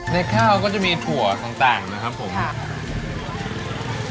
ข้าวก็จะมีถั่วต่างนะครับผมค่ะ